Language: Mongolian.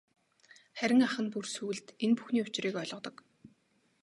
Харин ах нь бүр сүүлд энэ бүхний учрыг ойлгодог.